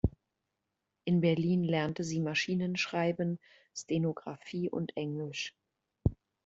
In Berlin lernte sie Maschinenschreiben, Stenographie und Englisch.